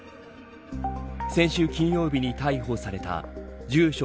先週金曜日に逮捕された住所